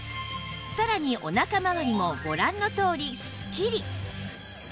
さらにおなかまわりもご覧のとおりスッキリ！